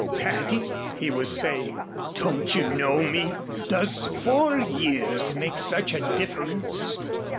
"Patty," he was saying, "don't you know me? Does four years make such a difference?"